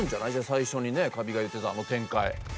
最初にねカビが言ってたあの展開。